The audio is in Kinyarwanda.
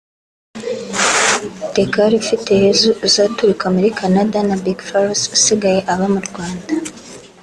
Degaule Ufiteyezu uzaturuka muri Canada na Big Farious usigaye aba mu Rwanda